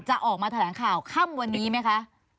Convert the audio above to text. จะออกมาแถลงข่าวค่ำวันนี้ไหมคะ